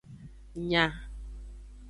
Nya.